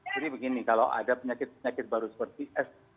begini kalau ada penyakit penyakit baru seperti s